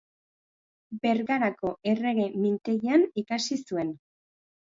Bergarako Errege Mintegian ikasi zuen.